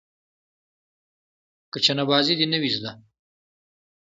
که چنه بازي دې نه وي زده.